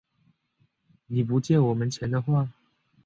你不借我们钱的话